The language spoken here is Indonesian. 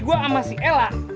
gua sama si ella